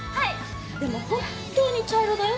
でも本当に茶色だよ。